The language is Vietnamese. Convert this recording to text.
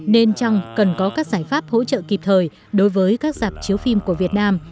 nên chăng cần có các giải pháp hỗ trợ kịp thời đối với các dạp chiếu phim của việt nam